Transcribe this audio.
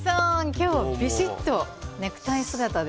今日ビシッとネクタイ姿で。